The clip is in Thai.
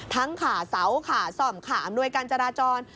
ขาเสาขาส่อมขาอำนวยการจราจร